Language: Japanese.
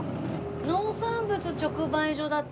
「農産物直売所」だって。